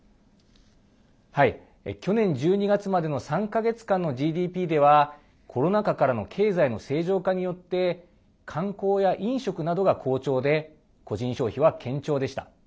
去年１２月までの３か月間のＧＤＰではコロナ禍からの経済の正常化によって観光や飲食などが好調で個人消費は堅調でした。